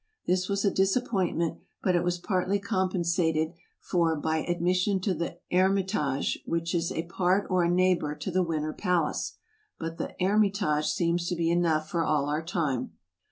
This was a disappointment, but it was partly compensated for by admission to the " Hermitage," which is a part or a neighbor to the Winter Palace. But the Her mitage seems to be enough for all our time.